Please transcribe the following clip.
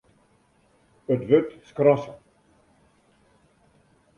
It wurd skrasse.